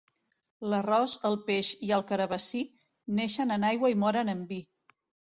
L'arròs, el peix i el carabassí, neixen en aigua i moren en vi.